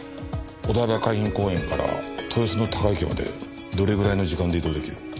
お台場海浜公園から豊洲の高井家までどれぐらいの時間で移動出来る？